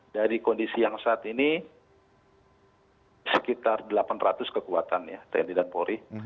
dari kondisi yang saat ini sekitar delapan ratus kekuatan ya tni dan polri